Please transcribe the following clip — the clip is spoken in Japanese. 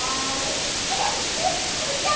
はやくいこうツムちゃん！